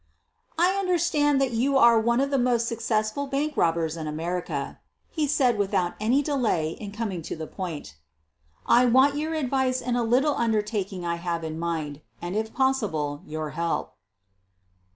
"I understand that you are one of the most suc cessful bank robbers in America,' ' he said without any delay in coming to the point. "I want your ad vice in a little undertaking I have in mind, and, if possible, your help."